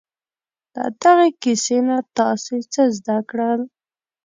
له دغې کیسې نه تاسې څه زده کړل؟